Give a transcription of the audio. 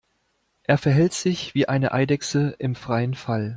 Er verhält sich wie eine Eidechse im freien Fall.